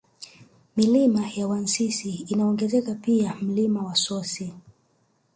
Milima ya Wansisi inaongezeka pia Mlima Wasosi